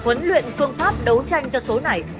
để chiêu mộ huấn luyện phương pháp đấu tranh cho số này